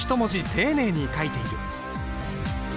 丁寧に書いている。